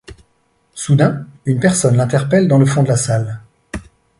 Soudain une personne l'interpelle dans le fond de la salle.